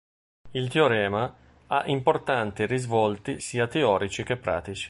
Il teorema ha importanti risvolti sia teorici che pratici.